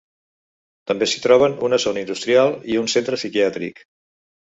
També s'hi troben una zona industrial i un centre psiquiàtric.